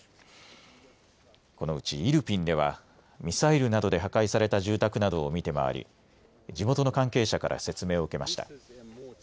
このうちイルピンではミサイルなどで破壊された住宅などを見て回り地元の関係者から説明を受けました。